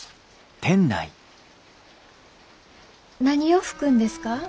何を吹くんですか？